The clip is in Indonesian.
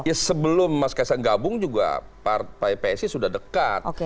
ya sebelum mas ksang gabung juga psi sudah dekat